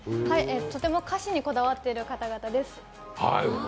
とても歌詞にこだわってる方々です。